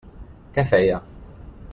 Què feia?